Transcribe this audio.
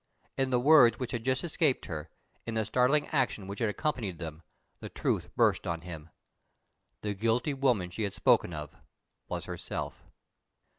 In the words which had just escaped her, in the startling action which had accompanied them, the truth burst on him. The guilty woman she had spoken of was herself!